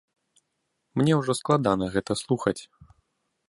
Мне ўжо складана гэта слухаць.